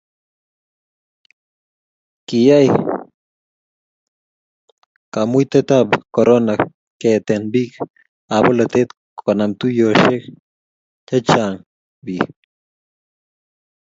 kiyai kaimutietab korona keete biikab bolatet konam tuyiotinwek che chang' biik